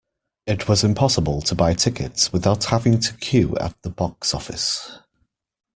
It was impossible to buy tickets without having to queue at the box office